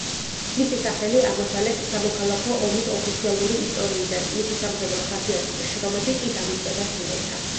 მისი სახელი ამოშალეს სამოქალაქო ომის ოფიციალური ისტორიიდან, მისი სამხედრო ხასიათის შრომები კი დავიწყებას მიეცა.